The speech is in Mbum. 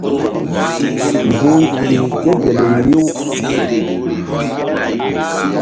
Mbu̧h nzukri ke gel ri riw.